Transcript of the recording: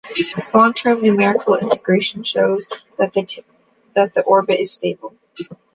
Long-term numerical integration shows that the orbit is stable.